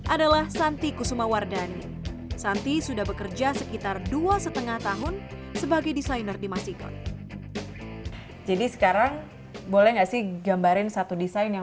adalah seorang desainer yang memiliki background pendidikan yang sama dengannya